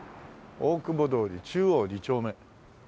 大久保通り中央２丁目。